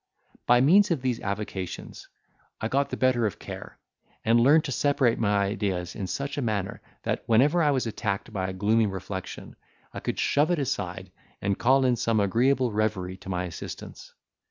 By means of these avocations I got the better of care, and learned to separate my ideas in such a manner that, whenever I was attacked by a gloomy reflection, I could shove it aside, and call in some agreeable reverie to my assistance.